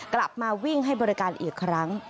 กลับมาวิ่งให้บริการอีกครั้ง